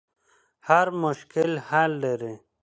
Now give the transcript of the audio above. هر مشکل حل لري.